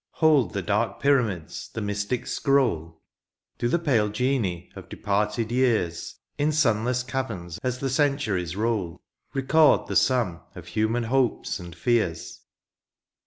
Hold the dark pyramids the mystic scroll ? Do the pale genii of departed years^ In sunless caverns as the centuries roll^ Record the sum of human hopes and fears